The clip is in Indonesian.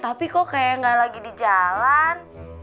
tapi kok kayak gak lagi di jalan